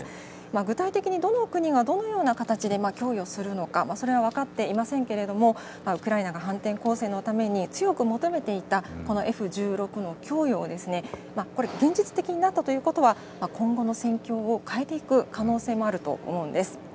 具体的にどの国が、どのような形で供与するのか、それは分かっていませんけれども、ウクライナが反転攻勢のために強く求めていたこのＦ１６の供与を、これ、現実的になったということは、今後の戦況を変えていく可能性もあると思うんです。